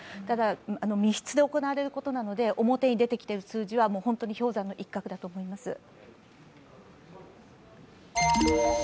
ただ、密室で行われることなので、表に出てきている数字は本当に氷山の一角だと思います。